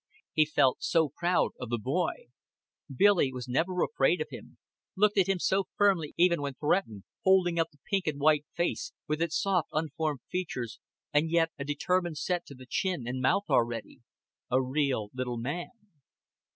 He felt so proud of the boy. Billy was never afraid of him, looked at him so firmly even when threatened, holding up the pink and white face, with its soft unformed features and yet a determined set to the chin and mouth already a real little man.